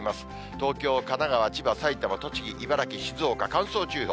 東京、神奈川、千葉、埼玉、栃木、茨城、静岡、乾燥注意報。